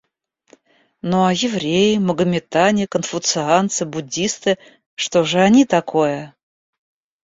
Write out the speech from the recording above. Ну, а евреи, магометане, конфуцианцы, буддисты — что же они такое?